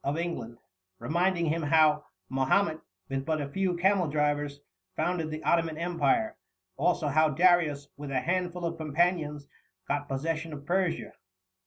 of England, reminding him how Mahomet, with but a few camel drivers, founded the Ottoman Empire, also how Darius, with a handful of companions, got possession of Persia.